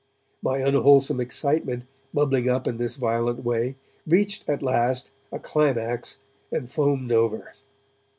My unwholesome excitement, bubbling up in this violent way, reached at last a climax and foamed over.